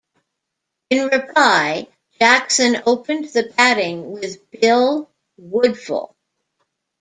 In reply, Jackson opened the batting with Bill Woodfull.